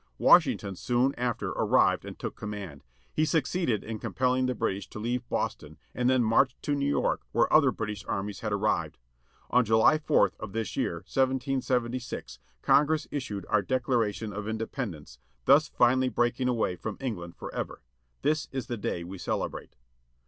Washington soon after arrived and took command. He succeeded in com pelling the British to leave Boston, and then marched to New York where other British armies had arrived. On July 4th of this year, 1776, Congress issued our Declaration of Independence, thus finally breaking away from England forever. This is the day we celebrate.